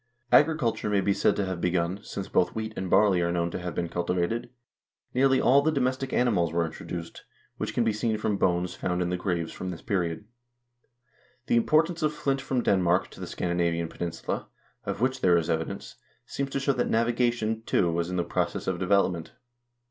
Agriculture may be said to have begun, since both wheat and barley are known to have been culti vated. Nearly all the domestic animals were introduced, which can be seen from bones found in the graves from this period. The importation of flint from Denmark to the Scandinavian peninsula, of which there is evidence, seems to show that navigation, too, was in the process of development.